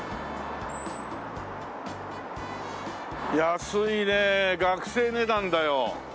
安いね学生値段だよ。